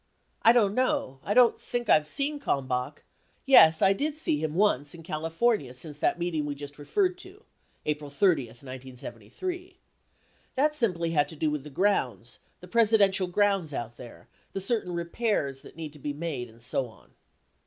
I don't know I don't think I've seen Kalmbach — yes, I did see him once in California since that meeting we just referred to [April 30, 1973]. That simply had to do with the grounds, the Presidential grounds out there, the certain repairs that need to be made and so on.